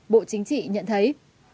bộ chính trị nhận thấy